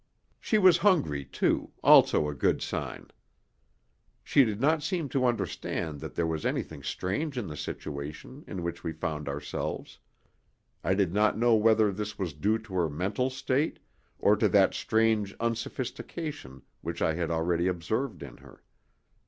She was hungry, too, also a good sign. She did not seem to understand that there was anything strange in the situation in which we found ourselves. I did not know whether this was due to her mental state or to that strange unsophistication which I had already observed in her.